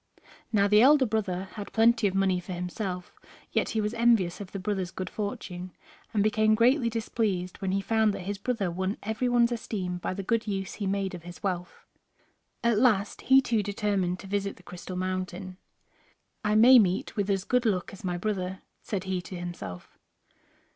Now the elder brother had plenty of money for himself, yet he was envious of the brother's good fortune, and became greatly displeased when he found that his brother won every one's esteem by the good use he made of his wealth. At last, he too determined to visit the Crystal Mountain. "I may meet with as good luck as my brother," said he to himself.